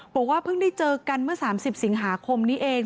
บอกว่าเพิ่งได้เจอกันเมื่อ๓๐สิงหาคมนี้เอง